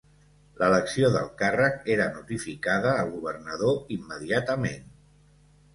L'elecció del càrrec era notificada al governador immediatament.